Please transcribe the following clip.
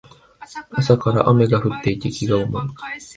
朝から雨が降っていて気が重い